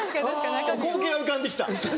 光景は浮かんできた。